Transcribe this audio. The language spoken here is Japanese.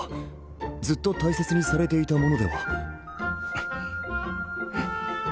ずっと大切にされていたものでは。